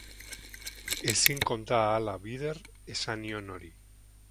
Ezin konta ahala bider esan nion hori.